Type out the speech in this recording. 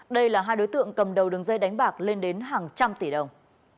đây là hai đối tượng cầm đầu đường dây đánh bạc lên đến hàng trăm tỷ đồng